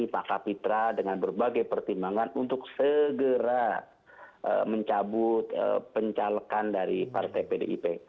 pak kapitra dengan berbagai pertimbangan untuk segera mencabut pencalekan dari partai pdip